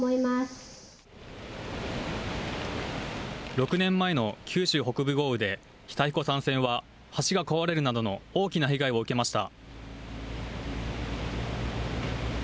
６年前の九州北部豪雨で、日田彦山線は、橋が壊れるなどの大きな被害を受けました。